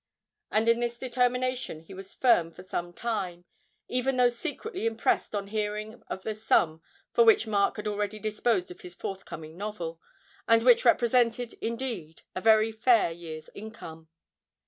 And in this determination he was firm for some time, even though secretly impressed on hearing of the sum for which Mark had already disposed of his forthcoming novel, and which represented, indeed, a very fair year's income.